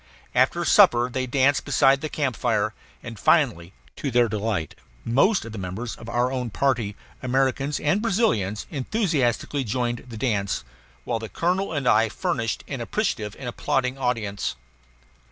After supper they danced beside the camp fire; and finally, to their delight, most of the members of our own party, Americans and Brazilians, enthusiastically joined the dance, while the colonel and I furnished an appreciative and applauding audience.